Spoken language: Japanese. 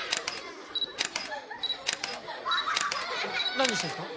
何してるんですか？